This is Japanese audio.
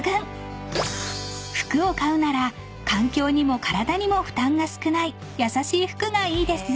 ［服を買うなら環境にも体にも負担が少ないやさしい服がいいですね］